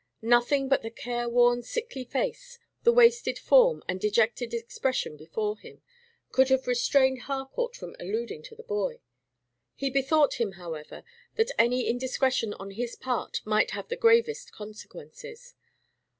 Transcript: Nothing but the careworn, sickly face, the wasted form and dejected expression before him, could have restrained Harcourt from alluding to the boy. He bethought him, however, that any indiscretion on his part might have the gravest consequences.